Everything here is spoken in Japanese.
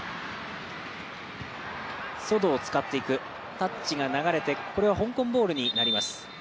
タッチが流れて、これは香港ボールになります。